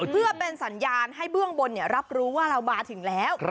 เพื่อเป็นสัญญาณให้เบื้องบนรับรู้ว่าเรามาถึงแล้ว